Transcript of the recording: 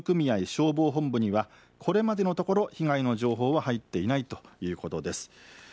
消防本部にはこれまでのところ被害の情報は入っていないということです。